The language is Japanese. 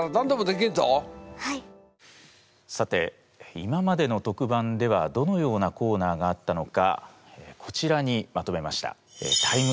さて今までの特番ではどのようなコーナーがあったのかこちらにまとめました。